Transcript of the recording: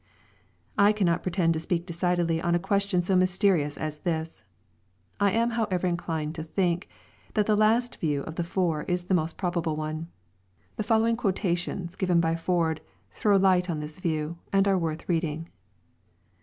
I cannot pretend to speak decidedly on a question so mysterious as this. I am liowev^r inclined to tliink, that the last view of the four is the most probable one. The following quotations given by Ford, throw Ught on this view, and are worth reading.